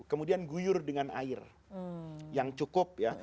kemudian guyur dengan air yang cukup ya